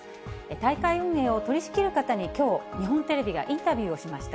大会運営を取り仕切る方に、きょう、日本テレビがインタビューをしました。